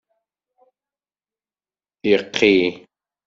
Iqi.